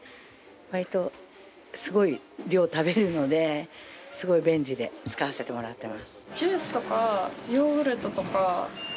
割とすごい量食べるのですごい便利で使わせてもらってます。